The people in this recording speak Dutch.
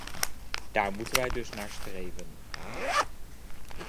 Daar moeten wij dus naar streven.